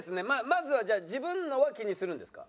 まずはじゃあ自分のは気にするんですか？